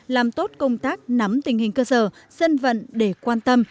làm tốt công tác nắm tình hình cơ sở dân vận để quan tâm